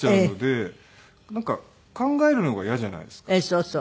そうそう。